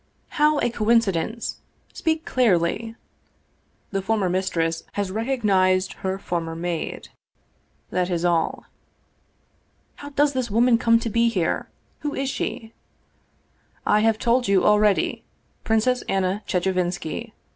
" How a coincidence? Speak clearly! "" The former mistress has recognized her former maid that is all." "How does this woman come to be here? Who is she?" "I have told you already; Princess Anna Chechevinski.